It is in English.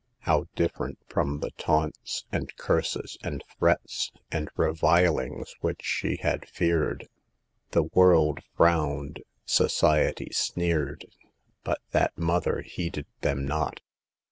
How "different from the taunts, and curses and threats and revilings which she had feared ! The world frowned ; society sneered; but that mother heeded them not.